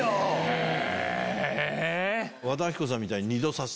へぇ。